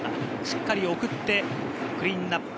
しっかり送ってクリーンナップ。